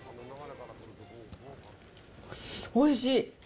おいしい。